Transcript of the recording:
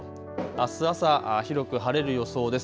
あす朝、広く晴れる予想です。